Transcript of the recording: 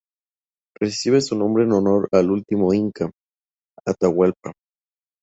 Recibe su nombre en honor al último inca, Atahualpa.